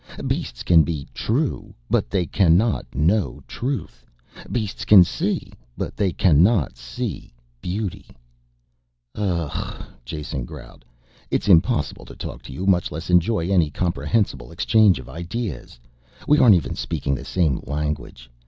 Beasts can be true but they cannot know Truth. Beasts can see, but they cannot see Beauty." "Arrgh!" Jason growled. "It's impossible to talk to you, much less enjoy any comprehensible exchange of ideas. We aren't even speaking the same language.